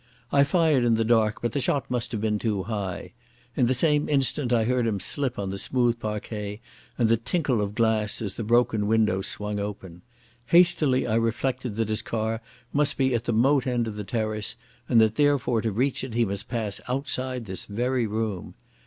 I fired in the dark, but the shot must have been too high. In the same instant I heard him slip on the smooth parquet and the tinkle of glass as the broken window swung open. Hastily I reflected that his car must be at the moat end of the terrace, and that therefore to reach it he must pass outside this very room.